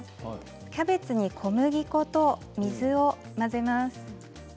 キャベツに小麦粉と水を混ぜます。